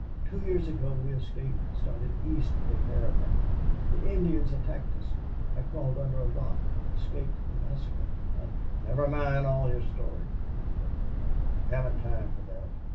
Two years ago we escaped started east with a caravan. The Indians attacked us. I crawled under a rock escaped the massacre. I " "Never mind all your story," interrupted Hough. "We haven't time for that.